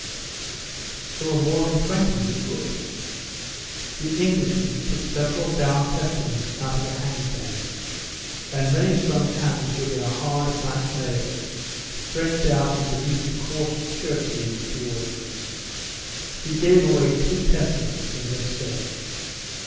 There were more than 20 who could. The Englishman took several bound Testaments out of a hang bag, and many strong hands with their hard, black nails stretched out from beneath the coarse shirt sleeves towards him. He gave away two Testaments in this cell.